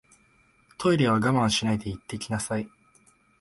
トイレは我慢しないで行ってきなさい